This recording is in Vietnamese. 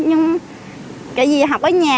nhưng cái gì học ở nhà